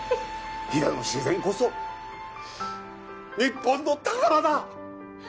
飛騨の自然こそ日本の宝だ！